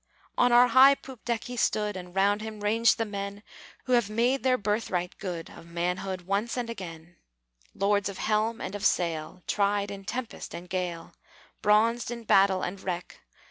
On our high poop deck he stood, And round him ranged the men Who have made their birthright good Of manhood once and again, Lords of helm and of sail, Tried in tempest and gale, Bronzed in battle and wreck.